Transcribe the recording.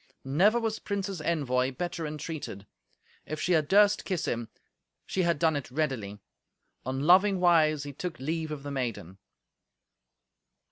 Never was prince's envoy better entreated. If she had durst kiss him, she had done it readily. On loving wise he took leave of the maiden.